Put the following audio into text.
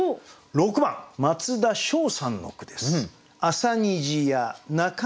６番松田翔さんの句です。